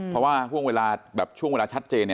เพราะว่าช่วงเวลาชัดเจน